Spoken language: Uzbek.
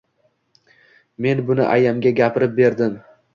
Men buni ayamga gapirib berdim.